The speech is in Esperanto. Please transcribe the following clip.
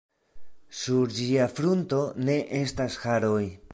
Sur ĝia frunto ne estas haroj.